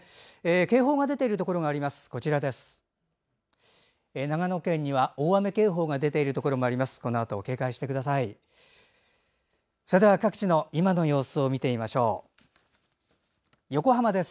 警報が出ているところがあります。